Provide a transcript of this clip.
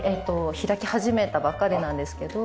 開き始めたばかりなんですけど。